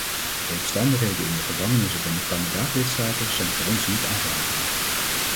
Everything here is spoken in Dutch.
De omstandigheden in de gevangenissen van de kandidaat-lidstaten zijn voor ons niet aanvaardbaar.